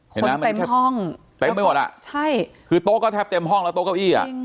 คนเต็มห้องเต็มไปหมดละคือโต๊ะก็เต็มห้องแล้วโต๊ะก็อี้อ่ะ